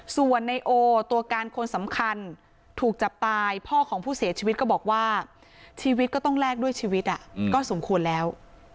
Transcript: ส่วนในโอตัวการคนสำคัญถูกจับตายพ่อของผู้เสียชีวิตก็บอกว่าชีวิตก็ต้องแลกด้วยชีวิตก็สมควรแล้ว